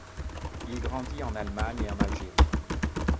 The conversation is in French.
Il grandit en Allemagne et en Algérie.